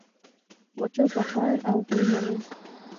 پاچا په قهر او غرور وویل.